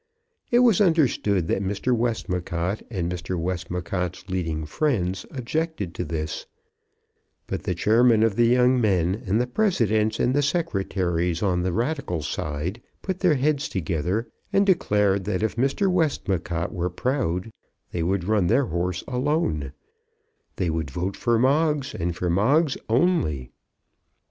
It was understood that Mr. Westmacott and Mr. Westmacott's leading friends objected to this; but the chairmen of the young men, and the presidents and the secretaries on the Radical side put their heads together, and declared that if Mr. Westmacott were proud they would run their horse alone; they would vote for Moggs, and for Moggs only.